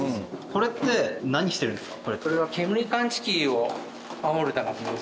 これって何してるんですか？